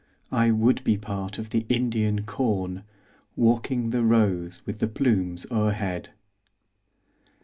I would be part of the Indian corn, Walking the rows with the plumes o'erhead.